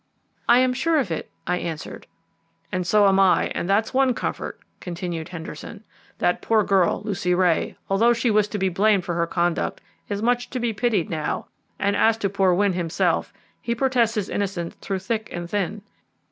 "I am sure of it," I answered. "And so am I, and that's one comfort," continued Henderson. "That poor girl, Lucy Ray, although she was to be blamed for her conduct, is much to be pitied now; and as to poor Wynne himself, he protests his innocence through thick and thin.